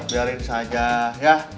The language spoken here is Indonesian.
biarin saja ya